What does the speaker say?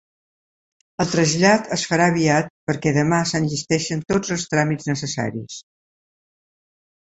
El trasllat es farà aviat perquè demà s'enllesteixen tots els tràmits necessaris.